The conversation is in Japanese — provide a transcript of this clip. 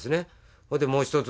それでもう一つ